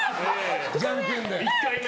じゃんけんで。